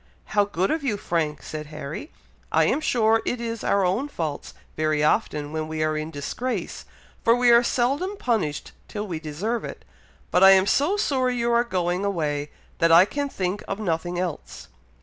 "How good of you, Frank!" said Harry. "I am sure it is our own faults very often when we are in disgrace, for we are seldom punished till we deserve it; but I am so sorry you are going away, that I can think of nothing else."